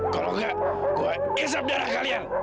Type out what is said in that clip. kalau enggak gue isap darah kalian